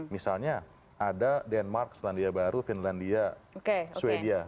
misalnya ada denmark selandia baru finlandia sweden